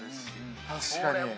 確かに。